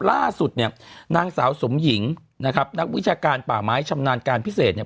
ล่าสุดเนี่ยนางสาวสมหญิงนะครับนักวิชาการป่าไม้ชำนาญการพิเศษเนี่ย